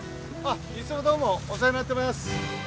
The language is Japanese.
いつもどうもお世話になってます。